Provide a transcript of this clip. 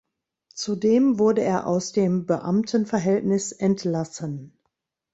Zudem wurde er aus dem Beamtenverhältnis entlassen.